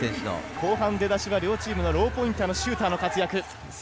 後半、出だしは両チームがローポインターのシューターの活躍。